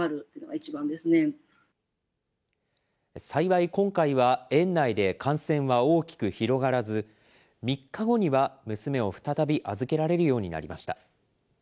幸い、今回は園内で感染は大きく広がらず、３日後には娘を再び預けられるようになりました。